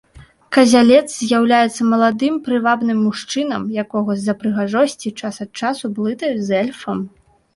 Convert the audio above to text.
Казялец з'яўляецца маладым прывабным мужчынам, якога з-за прыгажосці час ад часу блытаюць з эльфам.